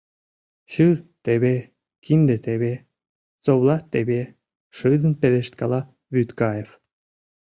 Шӱр — теве, кинде — теве, совла — теве! — шыдын пелешткала Вӱдкаев.